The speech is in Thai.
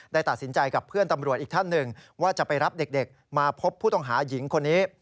ตัดสินใจกับเพื่อนตำรวจอีกท่านหนึ่งว่าจะไปรับเด็กมาพบผู้ต้องหาหญิงคนนี้